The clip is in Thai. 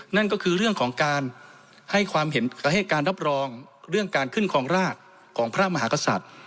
นั่นก็คือเรื่องของการให้ความเห็นให้การรับรองเรื่องการขึ้นครองราชของพระมหากษัตริย์